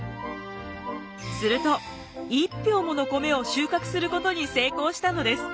すると１俵もの米を収穫することに成功したのです。